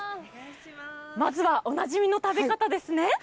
まずはおなじみの食べ方ですね。